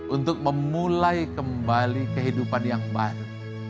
untuk memulai kembali kehidupan yang baru